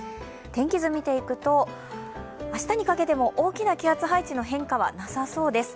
天気図を見ていくと、明日にかけても大きな気圧配置の変化はなさそうです。